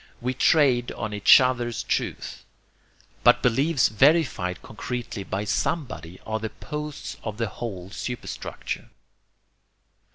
We trade on each other's truth. But beliefs verified concretely by SOMEBODY are the posts of the whole superstructure.